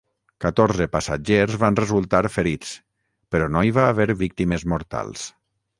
Catorze passatgers van resultar ferits, però no hi va haver víctimes mortals.